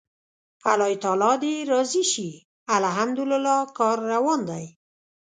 الله تعالی دې راضي شي، الحمدلله کار روان دی.